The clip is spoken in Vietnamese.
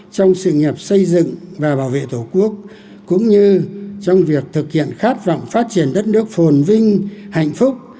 trong sự nghiệp xây dựng và bảo vệ tổ quốc cũng như trong việc thực hiện khát vọng phát triển đất nước phồn vinh hạnh phúc